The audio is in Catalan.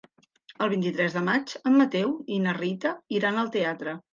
El vint-i-tres de maig en Mateu i na Rita iran al teatre.